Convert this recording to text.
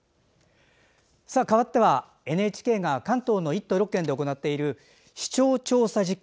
かわっては、ＮＨＫが関東の１都６県で行っている視聴調査実験。